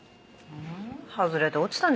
うん。